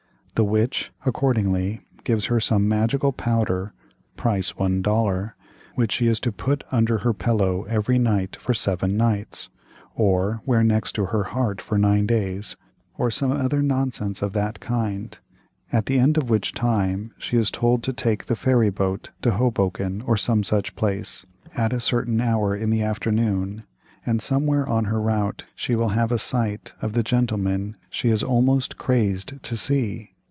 The witch accordingly gives her some magical powder (price one dollar), which she is to put under her pillow every night for seven nights, or wear next her heart for nine days, or some other nonsense of that kind, at the end of which time, she is told to take the ferry boat to Hoboken or some such place, at a certain hour in the afternoon, and somewhere on her route she will have a sight of the gentleman she is almost crazed to see.